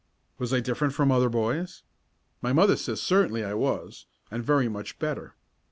Was I different from other boys? My mother says certainly I was, and very much better.